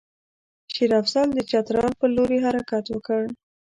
شېر افضل د چترال پر لوري حرکت وکړ.